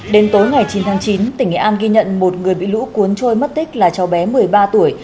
đến tối ngày chín tháng chín tỉnh nghệ an ghi nhận một người bị lũ cuốn trôi mất tích là cháu bé một mươi ba tuổi